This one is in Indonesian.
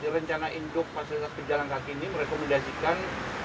rencana induk fasilitas penjalan kaki ini merekomendasikan